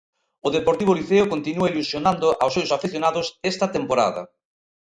O Deportivo Liceo continúa ilusionando aos seus afeccionados esta temporada.